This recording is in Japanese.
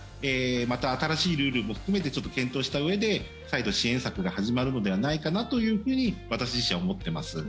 また新しいルールも含めてちょっと検討したうえで再度、支援策が始まるのではないかなと私自身は思ってます。